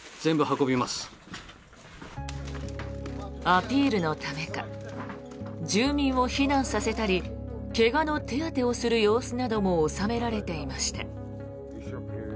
アピールのためか住民を避難させたり怪我の手当てをする様子なども収められていました。